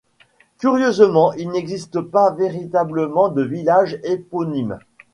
Curieusement, il n’existe pas véritablement de village éponyme.